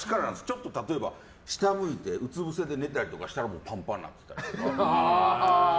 ちょっと例えば、下向いてうつぶせで寝たりとかしたらパンパンになってた。